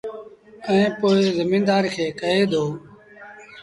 ائيٚݩ پو زميݩدآر کي ڪهي دو